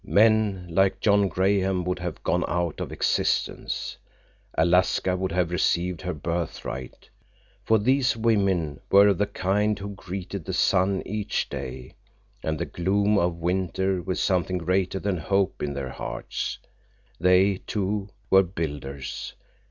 Men like John Graham would have gone out of existence; Alaska would have received her birthright. For these women were of the kind who greeted the sun each day, and the gloom of winter, with something greater than hope in their hearts. They, too, were builders.